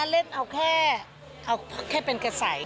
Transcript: เล่นเอาแค่เอาแค่เป็นกระแส